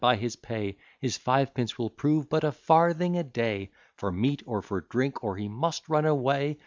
by his pay; His fivepence will prove but a farthing a day, For meat, or for drink; or he must run away.